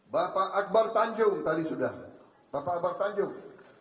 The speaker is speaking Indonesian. bapak akbar tanjung tadi sudah bapak akbar tanjung